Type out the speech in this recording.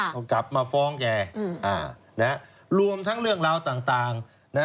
ก็กลับมาฟ้องแกรวมทั้งเรื่องเหล้าต่าง